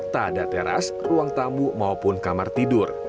tak ada teras ruang tamu maupun kamar tidur